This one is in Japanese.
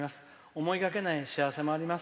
思いがけない幸せもあります。